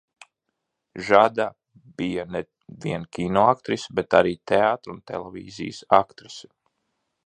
Žada bija ne vien kinoaktrise, bet arī teātra un televīzijas aktrise.